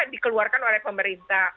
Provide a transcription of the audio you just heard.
dikeluarkan oleh pemerintah